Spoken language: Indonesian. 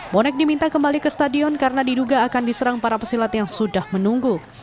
bonek diminta kembali ke stadion karena diduga akan diserang para pesilat yang sudah menunggu